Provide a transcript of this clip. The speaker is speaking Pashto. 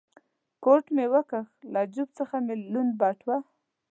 کوټ مې و کښ، له جېب څخه مې لوند بټوه.